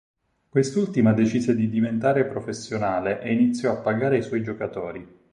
Quest'ultima decise di diventare professionale e iniziò a pagare i suoi giocatori.